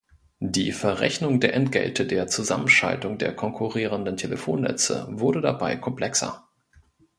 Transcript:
Die Verrechnung der Entgelte der Zusammenschaltung der konkurrierenden Telefonnetze wurde dabei komplexer.